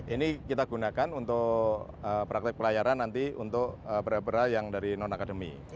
iya masih ini kita gunakan untuk praktek pelayaran nanti untuk para para yang dari non akademi